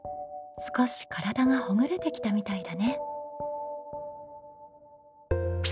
少し体がほぐれてきたみたいだね。